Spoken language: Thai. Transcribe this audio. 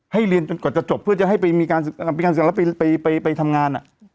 ให้เรียนจนกว่าจะจบเพื่อจะให้ไปมีการเสร็จแล้วไปทำงาน